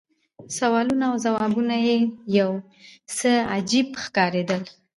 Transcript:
سوالونه او ځوابونه یې یو څه عجیب ښکارېدل.